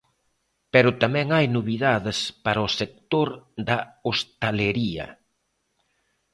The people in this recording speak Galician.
Pero tamén hai novidades para o sector da hostalería.